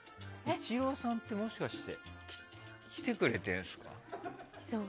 イチローさんって、もしかして来てくれてるんですか？